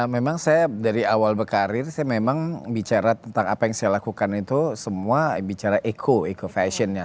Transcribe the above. memang saya dari awal berkarir saya memang bicara tentang apa yang saya lakukan itu semua bicara eco eco fashion ya